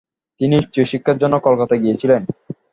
তিনি উচ্চ শিক্ষার জন্য কলকাতা গিয়েছিলেন।